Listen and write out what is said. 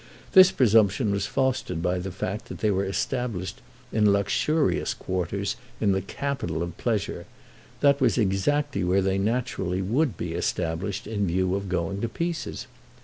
This presumption was fostered by the fact that they were established in luxurious quarters in the capital of pleasure; that was exactly where they naturally would be established in view of going to pieces.